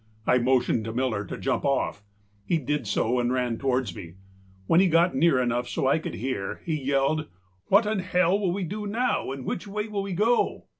I motioned to Miller to jump off. He did so and ran towards me. When he got near enough so that I could hear, he yelled: âWhat in hell will we do now, and which way will we go?